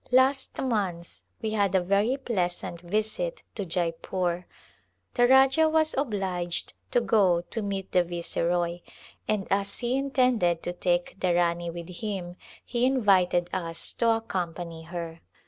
Last month we had a very pleasant visit to Jeypore. The Rajah was obliged to go to meet the Viceroy, and ['75] A Glimpse of India as he intended to take the Rani with him he invited us to accompany her.